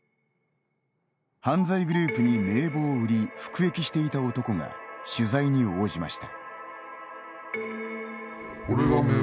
犯罪グループに名簿を売り服役していた男が取材に応じました。